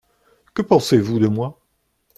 Que pensez-vous de moi ?